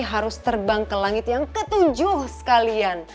harus terbang ke langit yang ketujuh sekalian